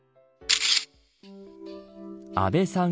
安倍さん